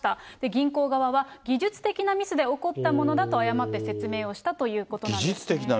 銀行側は、技術的なミスで起こったものだと謝って説明をしたということなんですね。